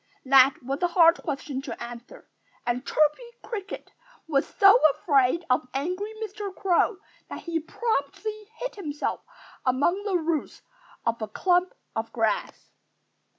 That was a hard question to answer. And Chirpy Cricket was so afraid of angry Mr. Crow that he promptly hid himself among the roots of a clump of grass.